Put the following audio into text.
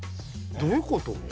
⁉どういうこと？